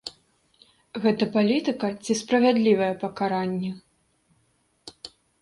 Гэта палітыка ці справядлівае пакаранне?